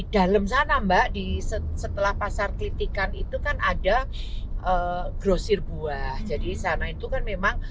dalam sana mbak di setelah pasar kritikan itu kan ada grosir buah jadi sana itu kan memang